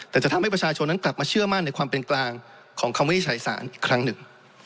แต่จะทำให้ประชาชนนั้นกลับมาเชื่อมั่นในความเป็นกลางของคำวินิจฉัยสารอีกครั้งหนึ่ง